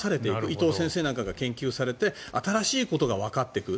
伊藤先生なんかが研究されて新しいことがわかっていく。